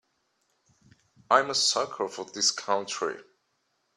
I'm a sucker for this country.